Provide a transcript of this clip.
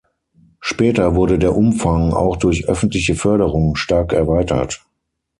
Später wurde der Umfang, auch durch öffentliche Förderung, stark erweitert.